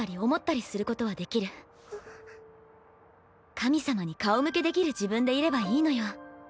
神様に顔向けできる自分でいればいいのよ。